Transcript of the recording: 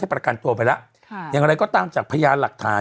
ประกันตัวไปแล้วค่ะอย่างไรก็ตามจากพยานหลักฐาน